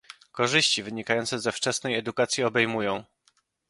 Korzyści wynikające ze wczesnej edukacji obejmują